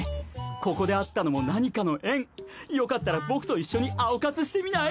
ここで会ったのも何かの縁よかったら僕と一緒に青活してみない？